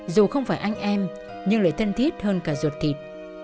dù không phải anh em nhưng lại thân thiết hơn cả ruột thịt